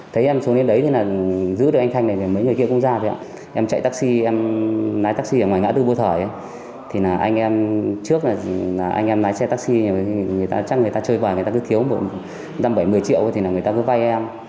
thì là anh em trước là anh em lái xe taxi chắc người ta chơi vào người ta cứ thiếu một năm bảy mươi triệu thì là người ta cứ vai em